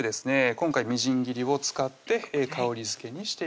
今回みじん切りを使って香りづけにしていきます